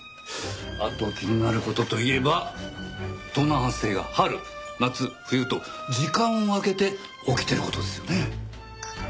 あと気になる事といえば盗難発生が春夏冬と時間をあけて起きてる事ですよね。